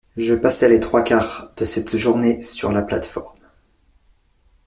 Je passai les trois quarts de cette journée sur la plate-forme.